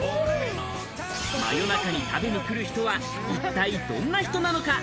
真夜中に食べに来る人は一体どんな人なのか？